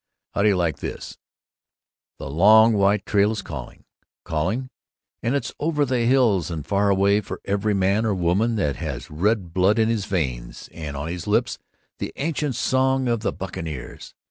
How do you like this: The long white trail is calling calling and it's over the hills and far away for every man or woman that has red blood in his veins and on his lips the ancient song of the buccaneers.